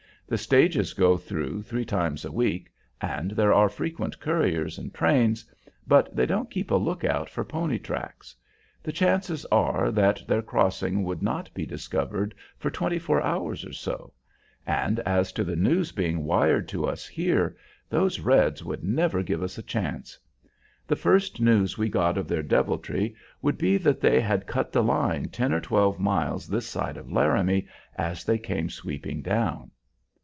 The stages go through three times a week, and there are frequent couriers and trains, but they don't keep a lookout for pony tracks. The chances are that their crossing would not be discovered for twenty four hours or so, and as to the news being wired to us here, those reds would never give us a chance. The first news we got of their deviltry would be that they had cut the line ten or twelve miles this side of Laramie as they came sweeping down.